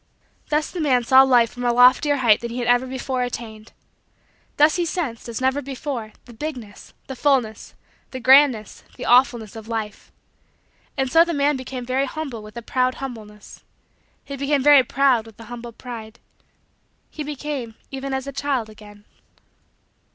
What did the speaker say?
Thus the man saw Life from a loftier height than he had ever before attained. Thus he sensed, as never before, the bigness, the fullness, the grandness, the awfulness, of Life. And so the man became very humble with a proud humbleness. He became very proud with a humble pride. He became even as a child again.